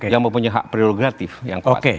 yang mempunyai hak prerogatif yang kuat